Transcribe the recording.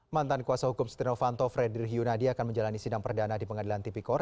mantan kuasa hukum setianowanto fredrik yunadi akan menjalani sidang perdana di pengadilan tipikor